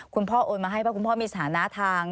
คุณพ่อโอนมาให้เพราะคุณพ่อมีสถานะทาง